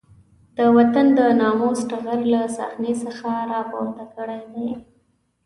د وطن د ناموس ټغر له صحنې څخه راپورته کړی دی.